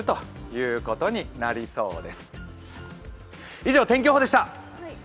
以上、天気予報でした。